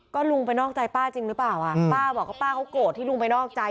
ก็ลุงไปนอกใจป้าจริงหรือเปล่าอ่ะป้าบอกว่าป้าเขาโกรธที่ลุงไปนอกใจ